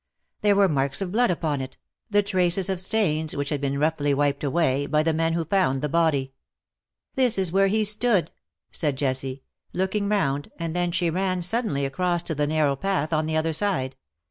There were marks of blood upon it — the traces of stains which had been roughly wiped away by the men who found the body. "This is where he stood,"*^ said Jessie, looking round, and then she ran suddenly across to the narrow path on the other side.